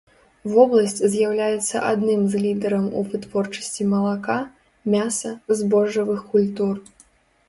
Вобласць з'яўляецца адным з лідараў у вытворчасці малака, мяса, збожжавых культур.